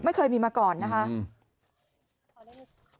ไม่เคยมีมาก่อนนะคะ